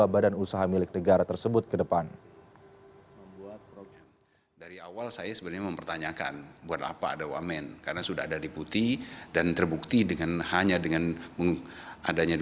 satu ratus empat puluh dua badan usaha milik negara tersebut ke depan